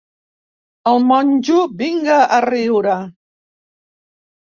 El monjo vinga a riure.